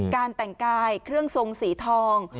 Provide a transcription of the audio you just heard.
การแต่งกายเครื่องทรงสีทอง